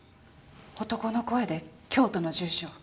男の声で京都の住所。